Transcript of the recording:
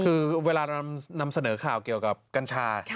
คือเวลาเรานำเสนอข่าวเกี่ยวกับกัญชา